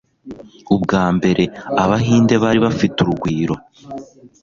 Ubwa mbere, Abahinde bari bafite urugwiro.